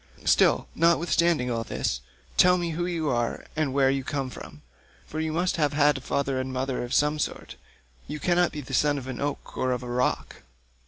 Still, notwithstanding all this, tell me who you are and where you come from—for you must have had father and mother of some sort; you cannot be the son of an oak or of a rock."